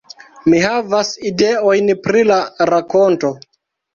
Mi havas ideojn pri la rakonto